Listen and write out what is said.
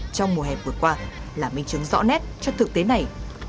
trong mùa hè vừa qua là minh chứng rõ nét cho thực tế này